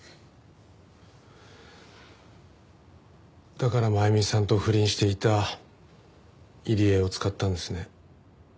だから真弓さんと不倫していた入江を使ったんですね？